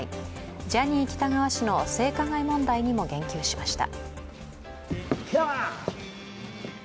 ジャニー喜多川氏の性加害問題にも言及しました。